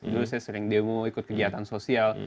dulu saya sering demo ikut kegiatan sosial